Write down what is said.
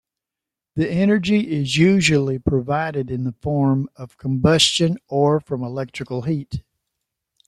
The energy is usually provided in the form of combustion or from electrical heat.